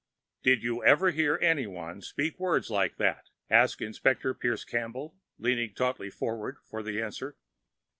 "Did you ever hear anyone speak words like that?" asked Inspector Pierce Campbell, leaning tautly forward for the answer.